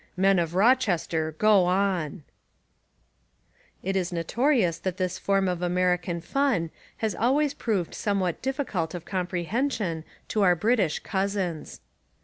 Men of Rochester^ go on'' It is notorious that this form of American fun has always proved somewhat difficult of comprehension to our British cousins.